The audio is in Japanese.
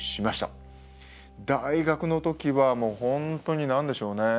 大学の時はもう本当に何でしょうね